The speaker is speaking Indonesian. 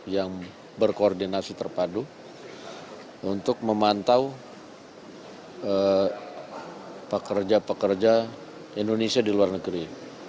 yang berkoordinasi terpadu untuk memantau pekerja pekerja indonesia di luar negeri